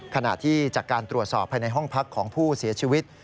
ขณะที่จากการตรวจสอบภายในห้องพักของผู้เสียชีวิต